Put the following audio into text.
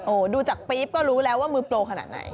ดูจากปี๊บก็รู้แล้วว่ามือโปรขนาดไหน